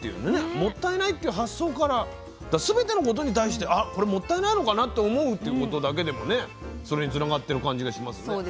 もったいないっていう発想から全てのことに対してこれもったいないのかなって思うってことだけでもそれにつながってる感じがします。